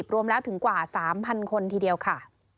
รวมแล้วถึงกว่า๓๐๐คนทีเดียวค่ะ